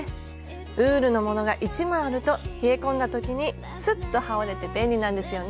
ウールのものが１枚あると冷え込んだ時にスッと羽織れて便利なんですよね。